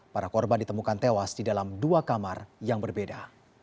para korban ditemukan tewas di dalam dua kamar yang berbeda